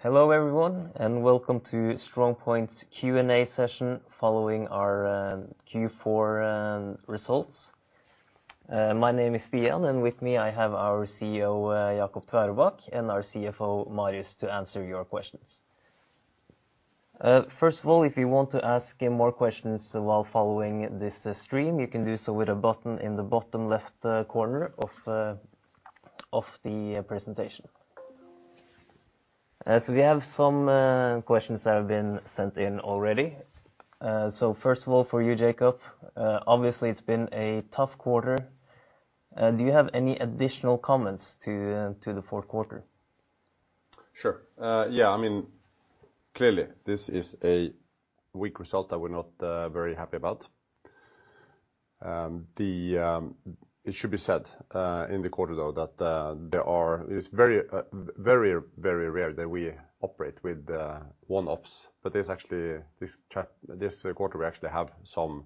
Hello, everyone, and welcome to StrongPoint's Q&A session, following our Q4 results. My name is Ian, and with me, I have our CEO, Jacob Tveraabak, and our CFO, Marius Drefvelin, to answer your questions. First of all, if you want to ask more questions while following this stream, you can do so with a button in the bottom left corner of the presentation. So we have some questions that have been sent in already. So first of all, for you, Jacob, obviously, it's been a tough quarter. Do you have any additional comments to the Q4? Sure. Yeah, I mean, clearly, this is a weak result that we're not very happy about. It should be said in the quarter, though, that it's very, very, very rare that we operate with one-offs, but there's actually this quarter, we actually have some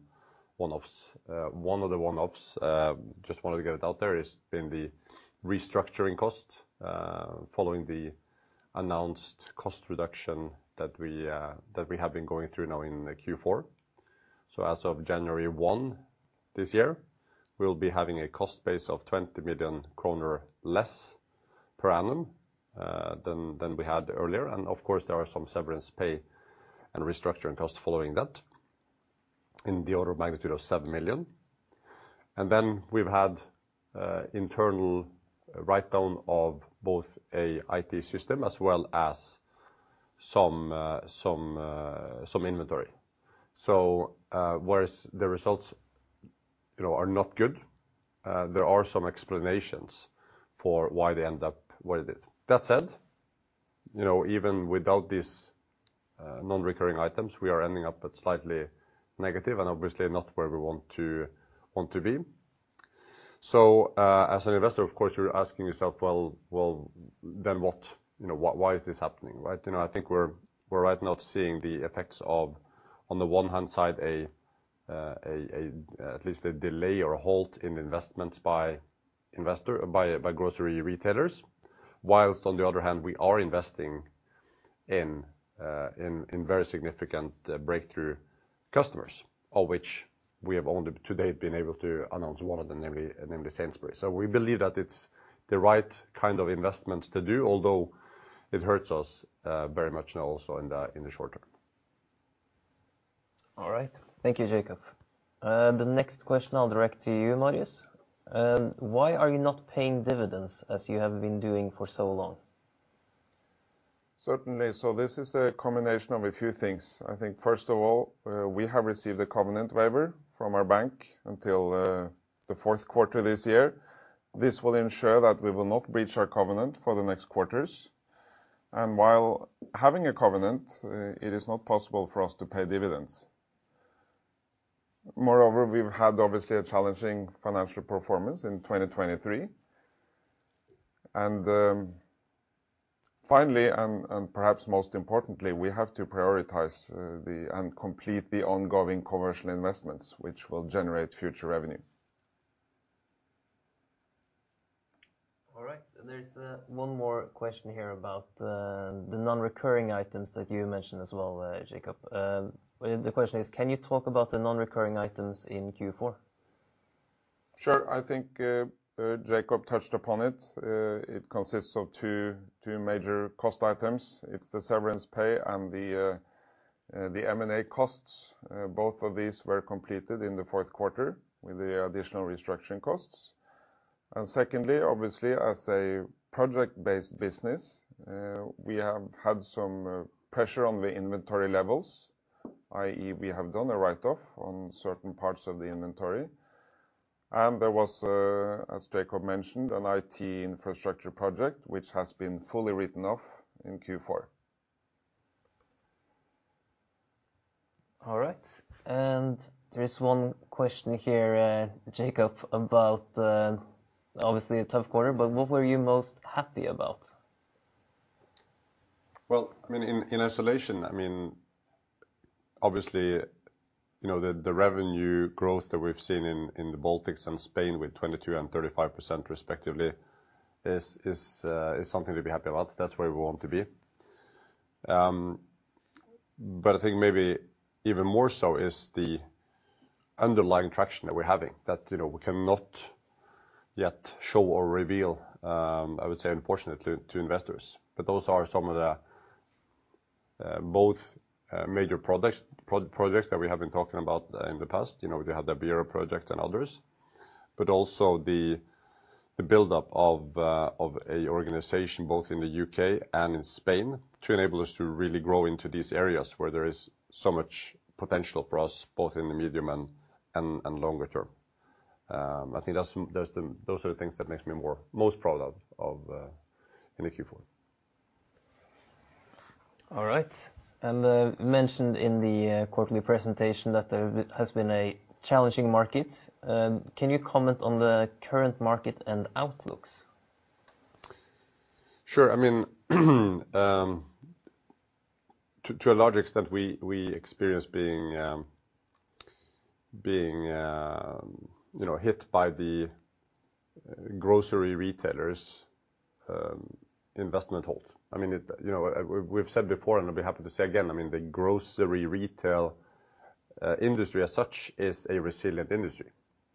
one-offs. One of the one-offs just wanted to get it out there has been the restructuring cost following the announced cost reduction that we have been going through now in Q4. So as of January 1 this year, we'll be having a cost base of 20 million kroner less per annum than we had earlier. And of course, there are some severance pay and restructuring costs following that in the order of magnitude of 7 million. And then we've had internal write-down of both an IT system as well as some inventory. So, whereas the results, you know, are not good, there are some explanations for why they end up where they did. That said, you know, even without these non-recurring items, we are ending up at slightly negative and obviously not where we want to be. So, as an investor, of course, you're asking yourself: Well, then what? You know, why is this happening, right? You know, I think we're right now seeing the effects of, on the one hand, at least a delay or a halt in investments by grocery retailers. While on the other hand, we are investing in very significant breakthrough customers, of which we have only to date been able to announce one of them, namely, Sainsbury's. So we believe that it's the right kind of investments to do, although it hurts us very much now also in the short term. All right. Thank you, Jacob. The next question I'll direct to you, Marius. Why are you not paying dividends as you have been doing for so long? Certainly. So this is a combination of a few things. I think, first of all, we have received a covenant waiver from our bank until the Q4 this year. This will ensure that we will not breach our covenant for the next quarters. And while having a covenant, it is not possible for us to pay dividends. Moreover, we've had, obviously, a challenging financial performance in 2023, and finally, and perhaps most importantly, we have to prioritize the and complete the ongoing commercial investments, which will generate future revenue. All right. There's one more question here about the non-recurring items that you mentioned as well, Jacob. The question is: Can you talk about the non-recurring items in Q4? Sure. I think, Jacob touched upon it. It consists of two, two major cost items. It's the severance pay and the, the M&A costs. Both of these were completed in the Q4 with the additional restructuring costs. And secondly, obviously, as a project-based business, we have had some, pressure on the inventory levels, i.e., we have done a write-off on certain parts of the inventory. And there was a, as Jacob mentioned, an IT infrastructure project, which has been fully written off in Q4. All right. There is one question here, Jacob, about obviously, a tough quarter, but what were you most happy about? Well, I mean, in isolation, I mean, obviously, you know, the revenue growth that we've seen in the Baltics and Spain, with 22% and 35%, respectively, is something to be happy about. That's where we want to be. But I think maybe even more so is the underlying traction that we're having, that, you know, we cannot yet show or reveal, I would say, unfortunately, to investors. But those are some of the both major projects that we have been talking about in the past. You know, we have the Iberia project and others, but also the buildup of a organization, both in the UK and in Spain, to enable us to really grow into these areas where there is so much potential for us, both in the medium and longer term. I think that's the, those are the things that makes me most proud of in the Q4. All right. Mentioned in the quarterly presentation that there has been a challenging market. Can you comment on the current market and outlooks? Sure. I mean, to a large extent, we experience being, you know, hit by the grocery retailers' investment hold. I mean, it, you know, we, we've said before, and I'll be happy to say again, I mean, the grocery retail industry as such is a resilient industry.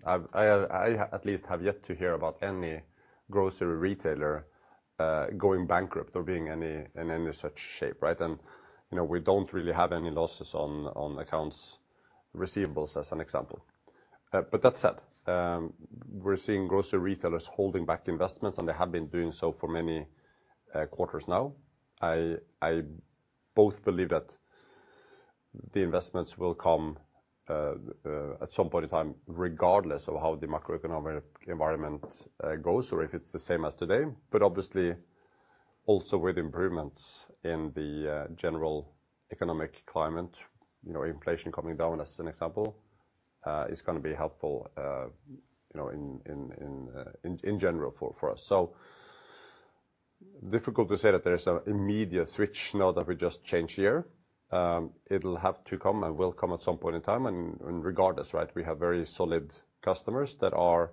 I at least have yet to hear about any grocery retailer going bankrupt or being in any such shape, right? You know, we don't really have any losses on accounts receivables, as an example. But that said, we're seeing grocery retailers holding back investments, and they have been doing so for many quarters now. I both believe that the investments will come at some point in time, regardless of how the macroeconomic environment goes or if it's the same as today. But obviously, also with improvements in the general economic climate, you know, inflation coming down, as an example, you know, in general, for us. So difficult to say that there is an immediate switch now that we just changed year. It'll have to come and will come at some point in time, and regardless, right? We have very solid customers that are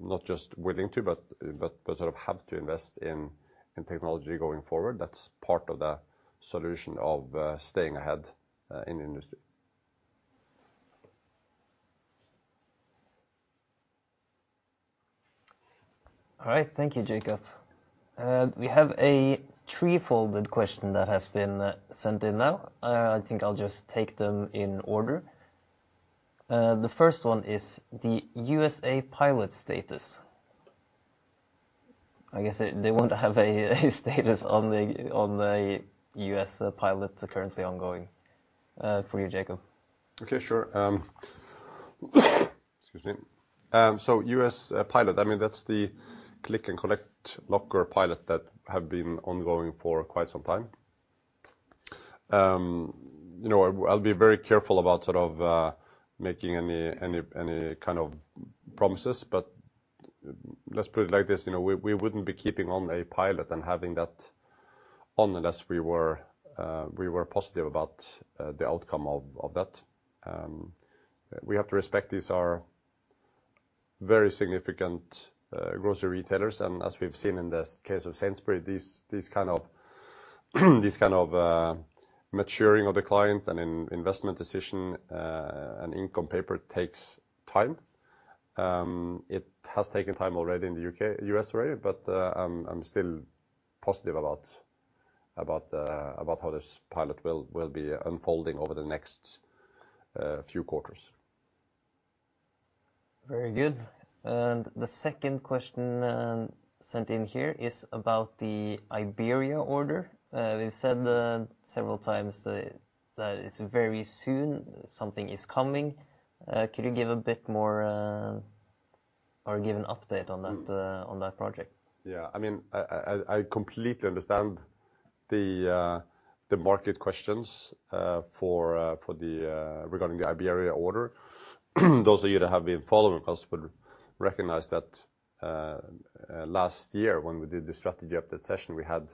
not just willing to, but sort of have to invest in technology going forward. That's part of the solution of staying ahead in the industry. All right. Thank you, Jacob. We have a threefold question that has been sent in now. I think I'll just take them in order. The first one is the U.S. pilot status. I guess they want to have a status on the U.S. pilot currently ongoing. For you, Jacob. Okay, sure. Excuse me. So U.S. pilot, I mean, that's the click and collect locker pilot that have been ongoing for quite some time. You know, I'll be very careful about sort of making any kind of promises, but let's put it like this: you know, we wouldn't be keeping on a pilot and having that on unless we were positive about the outcome of that. We have to respect these are very significant grocery retailers, and as we've seen in the case of Sainsbury's, this kind of maturing of the client and investment decision, an ink on paper takes time. It has taken time already in the UK.... U.S. already, but I'm still positive about how this pilot will be unfolding over the next few quarters. Very good. The second question sent in here is about the Iberia order. We've said several times that it's very soon, something is coming. Could you give a bit more or give an update on that project? Yeah, I mean, I completely understand the market questions regarding the Iberia order. Those of you that have been following us would recognize that, last year, when we did the strategy update session, we had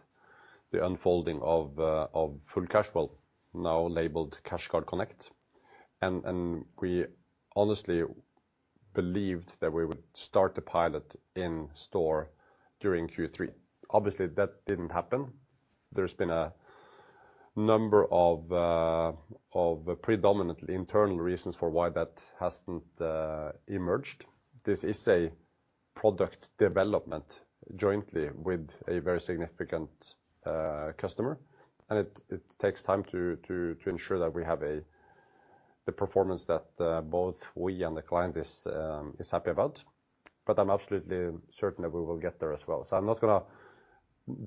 the unfolding of full CashGuard Connect. And we honestly believed that we would start the pilot in store during Q3. Obviously, that didn't happen. There's been a number of predominantly internal reasons for why that hasn't emerged. This is a product development jointly with a very significant customer, and it takes time to ensure that we have the performance that both we and the client is happy about. But I'm absolutely certain that we will get there as well. So I'm not gonna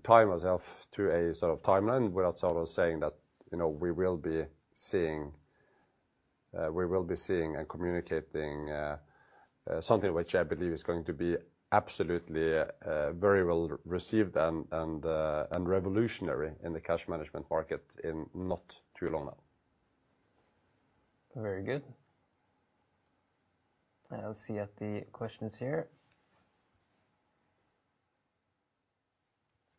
tie myself to a sort of timeline without sort of saying that, you know, we will be seeing, we will be seeing and communicating, something which I believe is going to be absolutely, very well received and, and, and revolutionary in the cash management market in not too long now. Very good. I'll see at the questions here.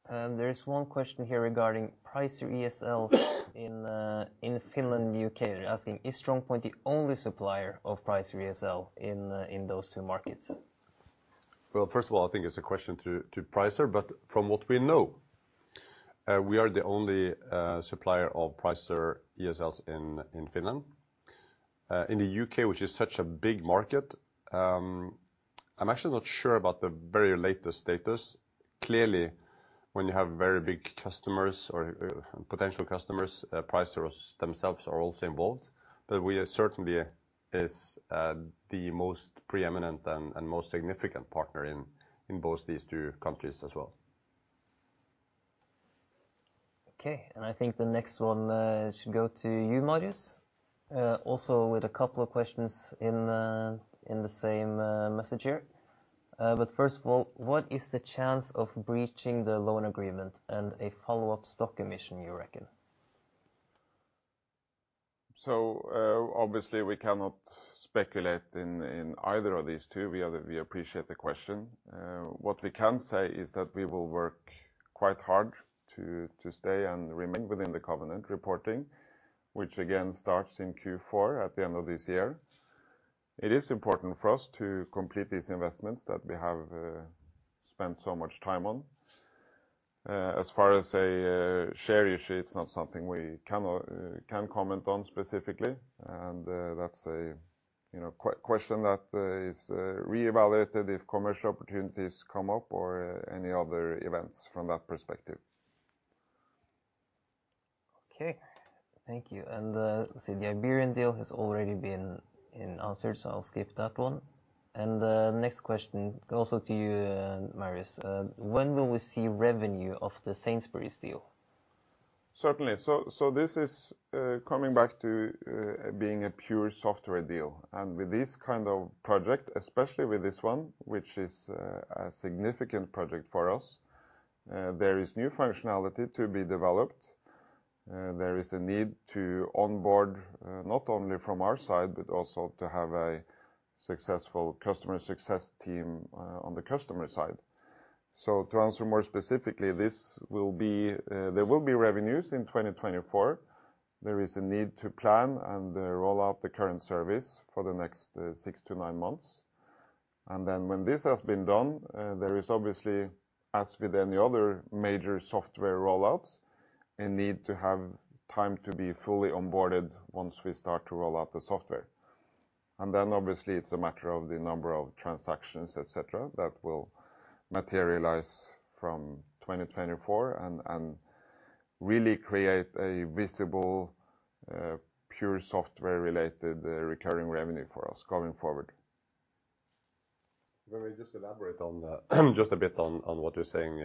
There is one question here regarding Pricer ESLs in, in Finland and UK. They're asking: "Is StrongPoint the only supplier of Pricer ESL in, in those two markets? Well, first of all, I think it's a question to, to Pricer, but from what we know, we are the only supplier of Pricer ESLs in, in Finland. In the UK, which is such a big market, I'm actually not sure about the very latest status. Clearly, when you have very big customers or, potential customers, Pricer themselves are also involved. But we are certainly is, the most preeminent and, and most significant partner in, in both these two countries as well. Okay, and I think the next one should go to you, Marius. Also with a couple of questions in the same message here. But first of all, what is the chance of breaching the loan agreement and a follow-up stock emission, you reckon? So, obviously, we cannot speculate in either of these two. We appreciate the question. What we can say is that we will work quite hard to stay and remain within the covenant reporting, which again, starts in Q4 at the end of this year. It is important for us to complete these investments that we have spent so much time on. As far as a share issue, it's not something we can comment on specifically, and that's a, you know, question that is reevaluated if commercial opportunities come up or any other events from that perspective. Okay, thank you. And, see, the Iberian deal has already been answered, so I'll skip that one. And, next question, also to you, Marius. When will we see revenue of the Sainsbury's deal? Certainly. So, so this is coming back to being a pure software deal. And with this kind of project, especially with this one, which is a significant project for us, there is new functionality to be developed. There is a need to onboard, not only from our side, but also to have a successful customer success team on the customer side. So to answer more specifically, this will be there will be revenues in 2024. There is a need to plan and roll out the current service for the next 6-9 months. And then when this has been done, there is obviously, as with any other major software rollouts, a need to have time to be fully onboarded once we start to roll out the software. And then obviously, it's a matter of the number of transactions, et cetera, that will materialize from 2024 and really create a visible, pure software-related, recurring revenue for us going forward. Let me just elaborate on that, just a bit on what you're saying,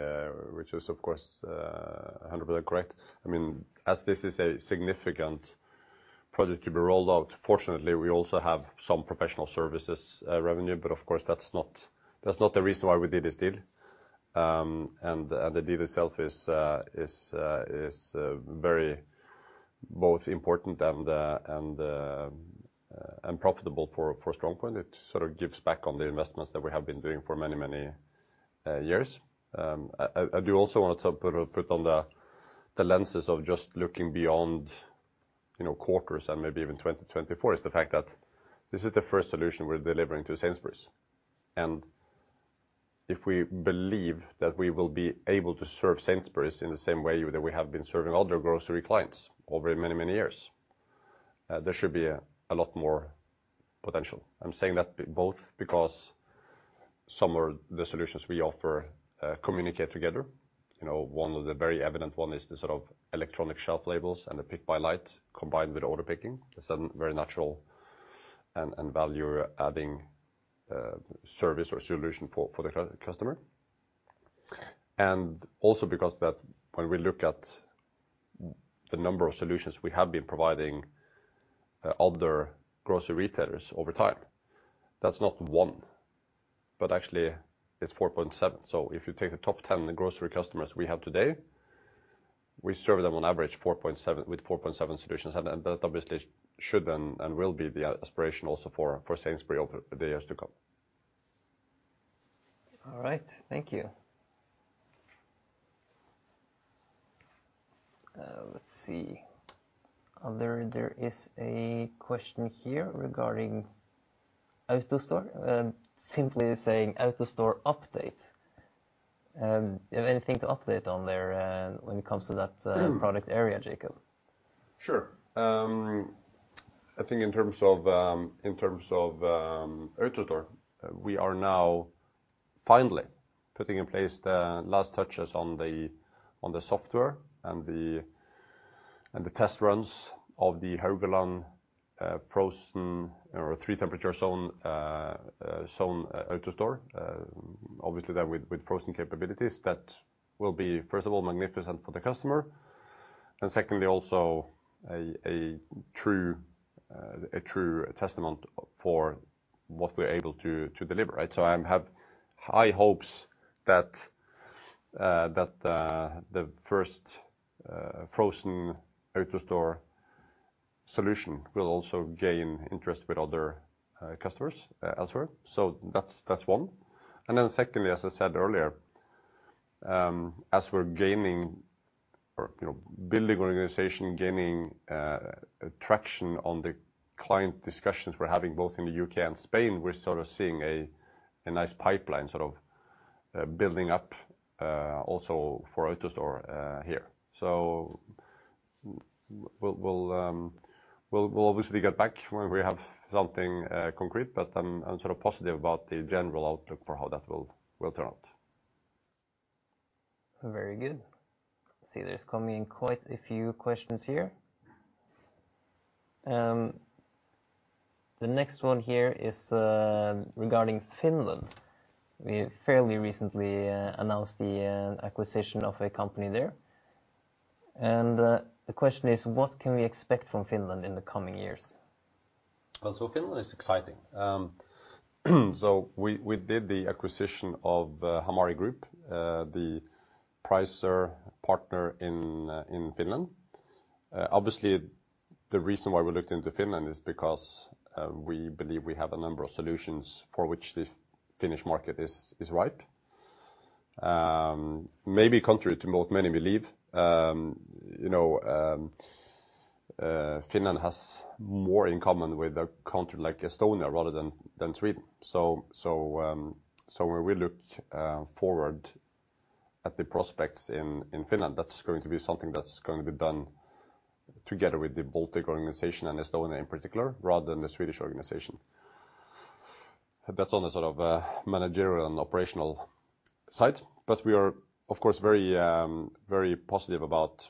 which is, of course, 100% correct. I mean, as this is a significant project to be rolled out, fortunately, we also have some professional services revenue, but of course, that's not the reason why we did this deal. The deal itself is very both important and profitable for StrongPoint. It sort of gives back on the investments that we have been doing for many, many years. I do also want to put on the lenses of just looking beyond, you know, quarters and maybe even 2024, is the fact that this is the first solution we're delivering to Sainsbury's. And if we believe that we will be able to serve Sainsbury's in the same way that we have been serving other grocery clients over many, many years, there should be a lot more potential. I'm saying that both because some of the solutions we offer communicate together. You know, one of the very evident one is the sort of electronic shelf labels and the pick-by-light, combined with order picking. It's a very natural and value-adding service or solution for the customer. And also because that when we look at the number of solutions we have been providing other grocery retailers over time, that's not one, but actually it's 4.7. So if you take the top 10 grocery customers we have today, we serve them on average 4.7 with 4.7 solutions, and that obviously should and will be the aspiration also for Sainsbury's over the years to come. All right, thank you. Let's see. There is a question here regarding AutoStore. Simply saying, AutoStore update. You have anything to update on there, when it comes to that, product area, Jacob? Sure. I think in terms of, in terms of, AutoStore, we are now finally putting in place the last touches on the, on the software and the, and the test runs of the Haugaland Storhusholdning, frozen or three temperature zone, zone AutoStore. Obviously, that with, with frozen capabilities, that will be, first of all, magnificent for the customer, and secondly, also a, a true, a true testament for what we're able to, to deliver, right? So I have high hopes that, that, the first, frozen AutoStore solution will also gain interest with other, customers, elsewhere. So that's, that's one. And then secondly, as I said earlier, as we're gaining or, you know, building our organization, gaining traction on the client discussions we're having both in the UK and Spain, we're sort of seeing a nice pipeline, sort of building up also for AutoStore here. So we'll obviously get back when we have something concrete, but I'm sort of positive about the general outlook for how that will turn out. Very good. I see there's coming in quite a few questions here. The next one here is regarding Finland. We fairly recently announced the acquisition of a company there, and the question is: What can we expect from Finland in the coming years? Well, so Finland is exciting. So we did the acquisition of Hamari Group, the Pricer partner in Finland. Obviously, the reason why we looked into Finland is because we believe we have a number of solutions for which the Finnish market is ripe. Maybe contrary to what many believe, you know, Finland has more in common with a country like Estonia, rather than Sweden. So when we look forward at the prospects in Finland, that's going to be something that's going to be done together with the Baltic organization and Estonia in particular, rather than the Swedish organization. That's on the sort of managerial and operational side, but we are, of course, very, very positive about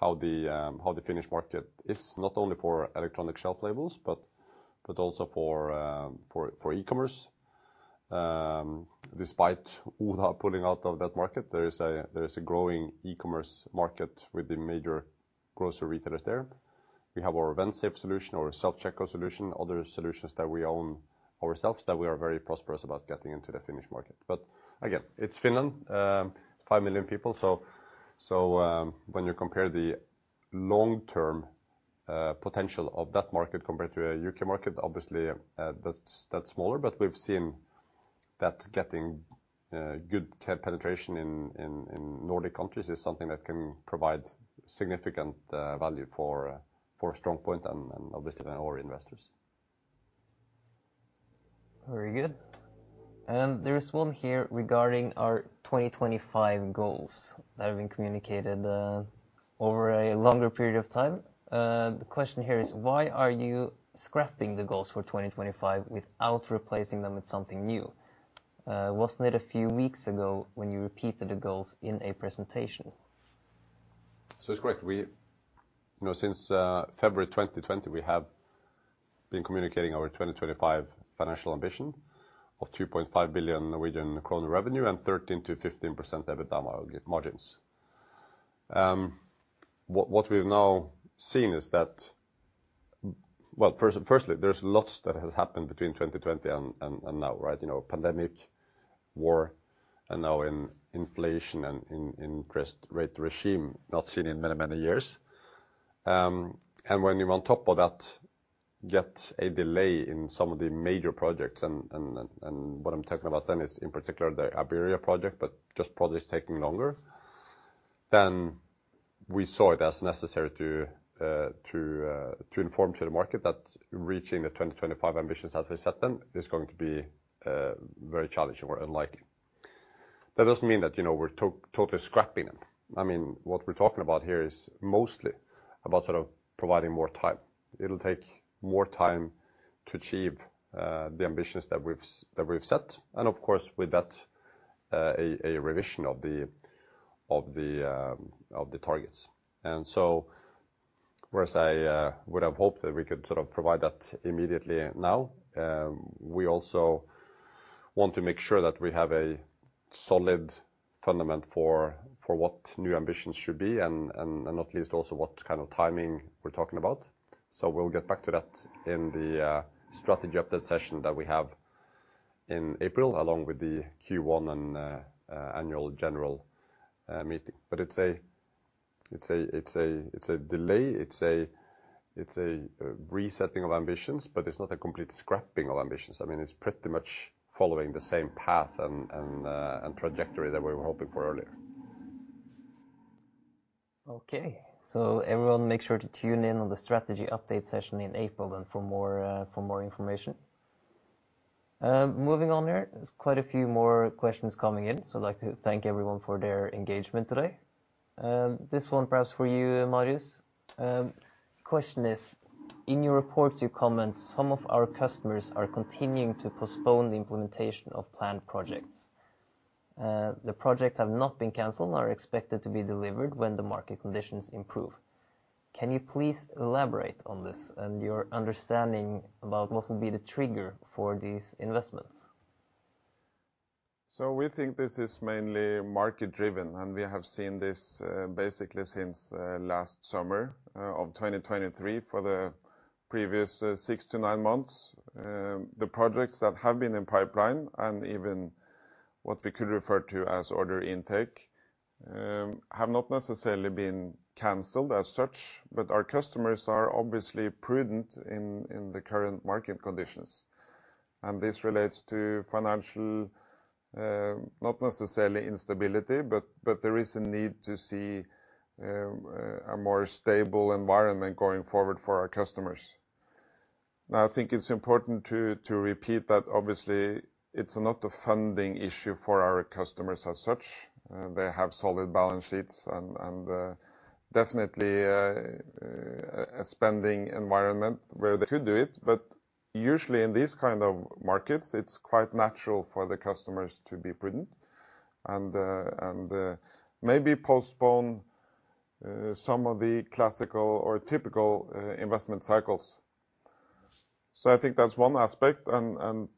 how the Finnish market is, not only for electronic shelf labels, but also for e-commerce. Despite Oda pulling out of that market, there is a growing e-commerce market with the major grocery retailers there. We have our Vensafe solution, our self-checkout solution, other solutions that we own ourselves that we are very prosperous about getting into the Finnish market. But again, it's Finland, 5 million people, so when you compare the long-term potential of that market compared to a UK market, obviously, that's smaller. But we've seen that getting good cash penetration in Nordic countries is something that can provide significant value for StrongPoint and obviously our investors. Very good. There is one here regarding our 2025 goals that have been communicated over a longer period of time. The question here is: Why are you scrapping the goals for 2025 without replacing them with something new? Wasn't it a few weeks ago when you repeated the goals in a presentation? So it's correct. We—you know, since February 2020, we have been communicating our 2025 financial ambition of 2.5 billion Norwegian kroner revenue and 13%-15% EBITDA margins. What we've now seen is that... Well, first, firstly, there's lots that has happened between 2020 and now, right? You know, pandemic, war, and now an inflation and interest rate regime not seen in many, many years. And when you, on top of that, get a delay in some of the major projects, and what I'm talking about then is, in particular, the Iberia project, but just projects taking longer, then we saw it as necessary to inform the market that reaching the 2025 ambitions as we set them is going to be very challenging or unlikely. That doesn't mean that, you know, we're totally scrapping them. I mean, what we're talking about here is mostly about sort of providing more time. It'll take more time to achieve the ambitions that we've set, and of course, with that, a revision of the targets. And so whereas I would have hoped that we could sort of provide that immediately now, we also want to make sure that we have a solid foundation for what new ambitions should be, and not least, also what kind of timing we're talking about. So we'll get back to that in the strategy update session that we have in April, along with the Q1 and annual general meeting. But it's a delay. It's a resetting of ambitions, but it's not a complete scrapping of ambitions. I mean, it's pretty much following the same path and trajectory that we were hoping for earlier. Okay. So everyone make sure to tune in on the strategy update session in April, then, for more, for more information. Moving on here, there's quite a few more questions coming in, so I'd like to thank everyone for their engagement today. This one perhaps for you, Marius. Question is: In your report, you comment some of our customers are continuing to postpone the implementation of planned projects. The projects have not been canceled, are expected to be delivered when the market conditions improve. Can you please elaborate on this and your understanding about what will be the trigger for these investments? So we think this is mainly market-driven, and we have seen this, basically since last summer of 2023, for the previous 6-9 months. The projects that have been in pipeline and even what we could refer to as order intake have not necessarily been canceled as such, but our customers are obviously prudent in the current market conditions. And this relates to financial, not necessarily instability, but there is a need to see a more stable environment going forward for our customers. Now, I think it's important to repeat that obviously it's not a funding issue for our customers as such. They have solid balance sheets and, definitely, a spending environment where they could do it. But usually, in these kind of markets, it's quite natural for the customers to be prudent and, and, maybe postpone some of the classical or typical investment cycles. So I think that's one aspect, and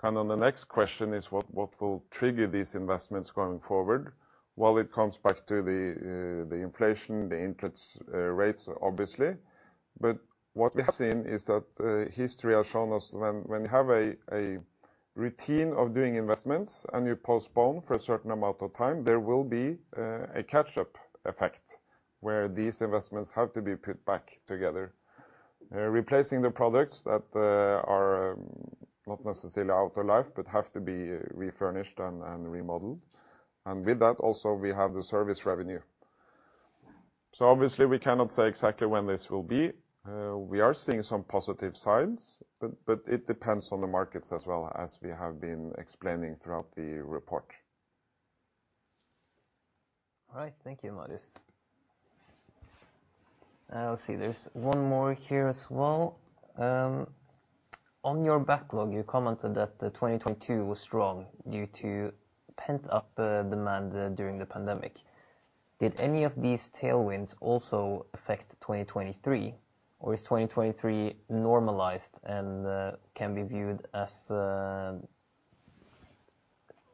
kind of the next question is what will trigger these investments going forward? Well, it comes back to the, the inflation, the interest rates, obviously. But what we have seen is that, history has shown us when you have a routine of doing investments and you postpone for a certain amount of time, there will be a catch-up effect, where these investments have to be put back together. Replacing the products that are not necessarily out of life, but have to be refurnished and, and remodeled. And with that, also, we have the service revenue. Obviously, we cannot say exactly when this will be. We are seeing some positive signs, but it depends on the markets as well, as we have been explaining throughout the report. All right. Thank you, Marius. Let's see, there's one more here as well. On your backlog, you commented that the 2022 was strong due to pent-up demand during the pandemic. Did any of these tailwinds also affect 2023, or is 2023 normalized and can be viewed as trough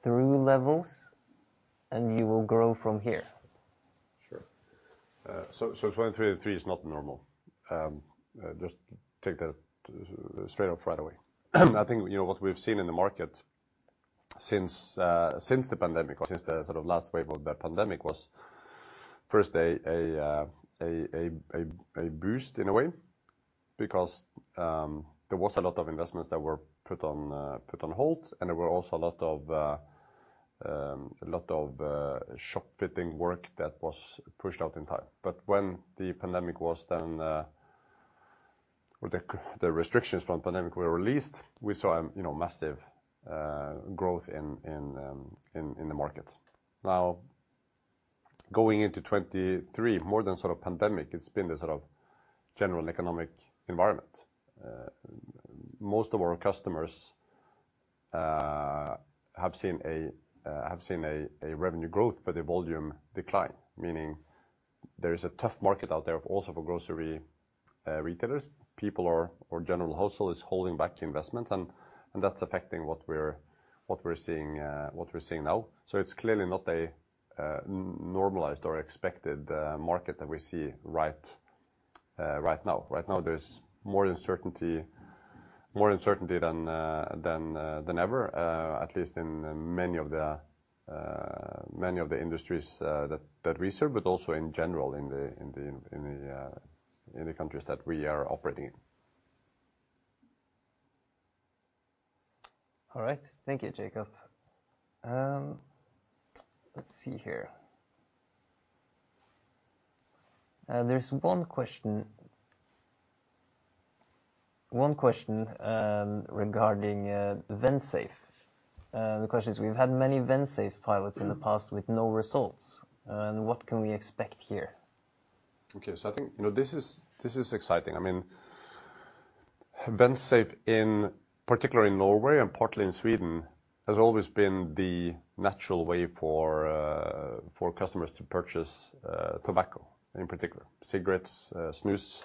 levels, and you will grow from here? Sure. So, so 2023 is not normal. Just take that straight off right away. I think, you know, what we've seen in the market since, since the pandemic, or since the sort of last wave of the pandemic was first a boost in a way, because there was a lot of investments that were put on, put on hold, and there were also a lot of, a lot of, shop fitting work that was pushed out in time. But when the pandemic was then or the, the restrictions from pandemic were released, we saw a, you know, massive, growth in, in, in, in the market. Now, going into 2023, more than sort of pandemic, it's been the sort of general economic environment. Most of our customers have seen a revenue growth, but a volume decline, meaning there is a tough market out there, also for grocery retailers. People or general wholesale is holding back investments, and that's affecting what we're seeing now. So it's clearly not a normalized or expected market that we see right now. Right now, there's more uncertainty than ever, at least in many of the industries that we serve, but also in general, in the countries that we are operating in. All right. Thank you, Jacob. Let's see here. There's one question, one question, regarding Vensafe. The question is, we've had many Vensafe pilots in the past with no results. What can we expect here? Okay. So I think, you know, this is, this is exciting. I mean, Vensafe, in particular in Norway and partly in Sweden, has always been the natural way for, for customers to purchase, tobacco, in particular, cigarettes, snus,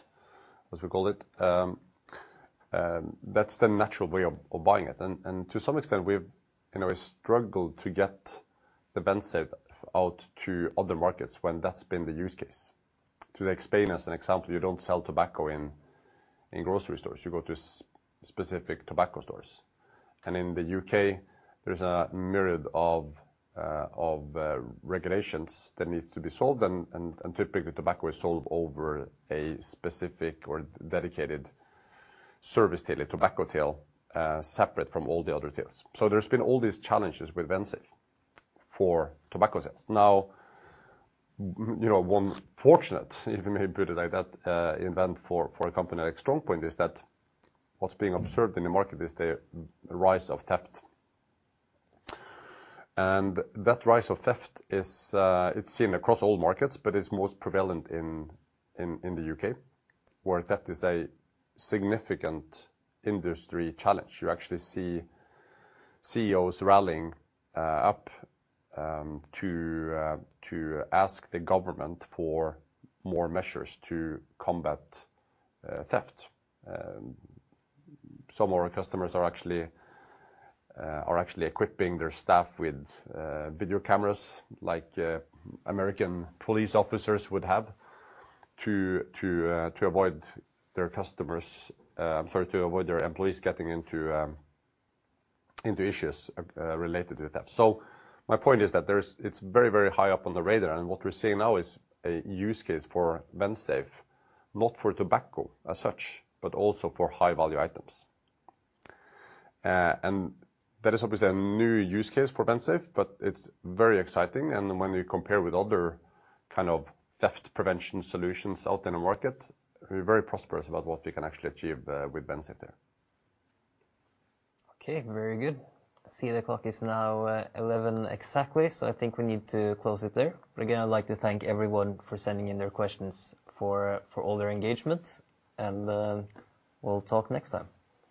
as we call it. That's the natural way of, of buying it. And to some extent, we've in a way struggled to get the Vensafe out to other markets when that's been the use case. To explain, as an example, you don't sell tobacco in grocery stores. You go to specific tobacco stores. And in the UK, there's a myriad of regulations that needs to be solved, and typically, tobacco is sold over a specific or dedicated service till, a tobacco till, separate from all the other tills. So there's been all these challenges with Vensafe for tobacco sales. Now, you know, one fortunate, if I may put it like that, event for a company like StrongPoint is that what's being observed in the market is the rise of theft. And that rise of theft is, it's seen across all markets, but it's most prevalent in the UK, where theft is a significant industry challenge. You actually see CEOs rallying up to ask the government for more measures to combat theft. Some of our customers are actually equipping their staff with video cameras, like American police officers would have, to avoid their customers... Sorry, to avoid their employees getting into issues related with theft. So my point is that it's very, very high up on the radar, and what we're seeing now is a use case for Vensafe, not for tobacco as such, but also for high-value items. And that is obviously a new use case for Vensafe, but it's very exciting. And when you compare with other kind of theft prevention solutions out in the market, we're very prosperous about what we can actually achieve with Vensafe there. Okay, very good. I see the clock is now 11 exactly, so I think we need to close it there. But again, I'd like to thank everyone for sending in their questions, for all their engagement, and we'll talk next time.